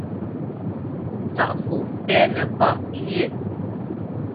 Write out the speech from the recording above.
Ntaʼfo pɛ́nə páʼ lyé?